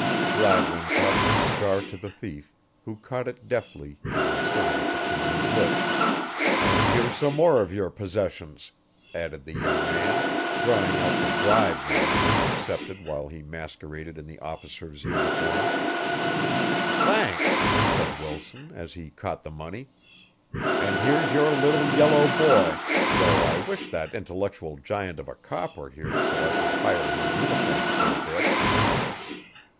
Gladwin tossed the cigar to the thief, who caught it deftly and inserted it between his lips. "And here's some more of your possessions," added the young man, drawing out the bribe money he had accepted while he masqueraded in the officer's uniform. "Thanks," said Wilson, as he caught the money, "and here's your little yellow boy, though I wish that intellectual giant of a cop were here so I could hire his uniform for a bit."